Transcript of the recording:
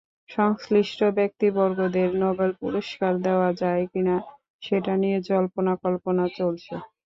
সংশ্লিষ্ট ব্যক্তিবর্গদের নোবেল পুরস্কার দেওয়া যায় কিনা সেটা নিয়ে জল্পনা কল্পনা চলছে!